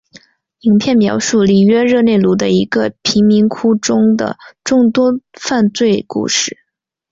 影片描述里约热内卢的一个贫民窟中的众多犯罪故事。